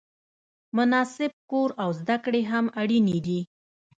مناسب کور او زده کړې هم اړینې دي.